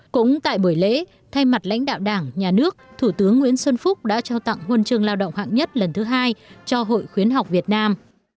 cũng tại buổi lễ thay mặt lãnh đạo đảng nhà nước thủ tướng nguyễn xuân phúc đã trao tặng huân trường lao động hạng nhất lần thứ hai cho hội khuyến học việt nam